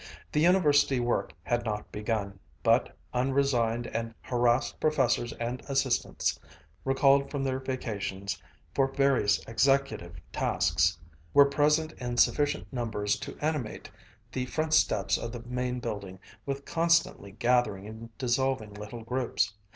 The University work had not begun, but unresigned and harassed professors and assistants, recalled from their vacations for various executive tasks, were present in sufficient numbers to animate the front steps of the Main Building with constantly gathering and dissolving little groups.